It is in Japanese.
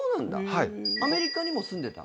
アメリカにも住んでた？